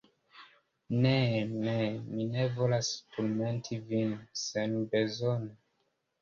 ne, ne, mi ne volas turmenti vin senbezone.